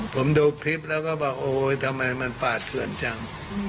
ผมดูคลิปแล้วก็บอกโอ๊ยทำไมมันปาดเถื่อนจัง